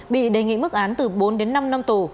bị đề nghị mức án từ bốn đến năm năm tù